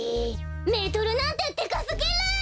メートルなんてでかすぎる！